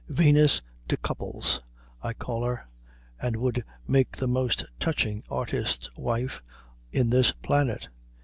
Venus de Copples, I call her, and would make the most touching artist's wife in this planet.